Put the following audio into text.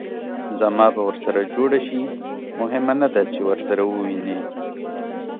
زما به ورسره جوړه شي؟ مهمه نه ده چې ورسره ووینې.